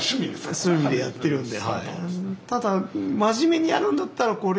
そういう意味でやってるんで。